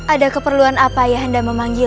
ada keperluan apa ayah anda memanggilku